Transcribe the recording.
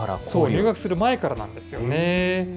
そう、入学する前からなんですよね。